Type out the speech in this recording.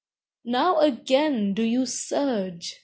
Now again do you surge.